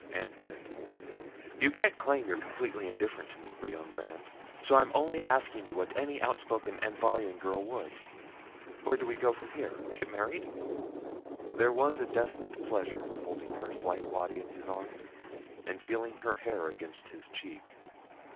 And did. You can't claim you're completely indifferent to me, Brion Brandd. So I'm only asking you what any outspoken Anvharian girl would. Where do we go from here? Get married?" There was a definite pleasure in holding her slight body in his arms and feeling her hair against his cheek.